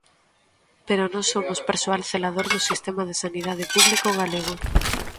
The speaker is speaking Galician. Pero nós somos persoal celador do sistema de sanidade público galego.